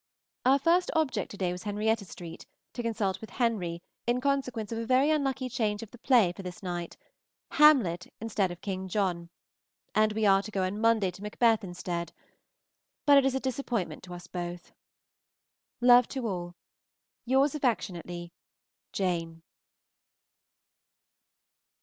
Our first object to day was Henrietta St., to consult with Henry in consequence of a very unlucky change of the play for this very night, "Hamlet" instead of "King John," and we are to go on Monday to "Macbeth" instead; but it is a disappointment to us both. Love to all. Yours affectionately, JANE.